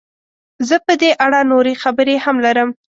زه په دې اړه نورې خبرې هم لرم.